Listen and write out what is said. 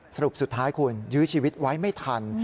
สรุปสุดท้ายคุณยื้อชีวิตไว้ไม่ทัน